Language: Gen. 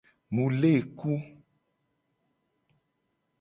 Mu le ku.